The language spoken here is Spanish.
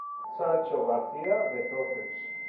Sancho García De Torres.